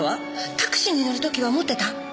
タクシーに乗る時は持ってた？